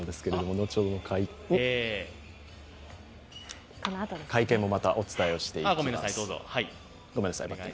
後ほどの会見もまたお伝えしていきます。